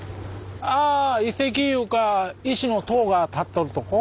あ遺跡ゆうか石の塔が立っとるとこ？